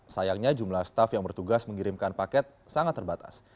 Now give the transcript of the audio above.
sayangnya jumlah staff yang bertugas mengirimkan paket sangat terbatas